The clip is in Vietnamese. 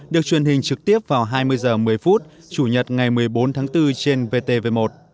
được truyền hình trực tiếp vào hai mươi h một mươi chủ nhật ngày một mươi bốn tháng bốn trên vtv một